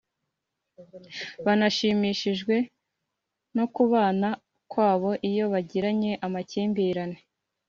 banashimishijwe n’ukubana kwabo iyo bagiranye amakimbirane